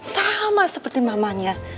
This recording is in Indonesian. sama seperti mamanya